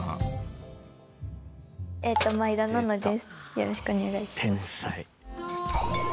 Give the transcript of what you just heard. よろしくお願いします。